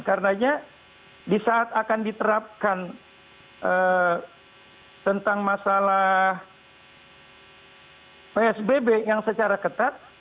karena di saat akan diterapkan tentang masalah psbb yang secara ketat